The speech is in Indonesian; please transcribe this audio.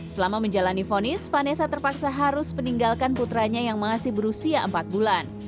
selama menjalani fonis vanessa terpaksa harus meninggalkan putranya yang masih berusia empat bulan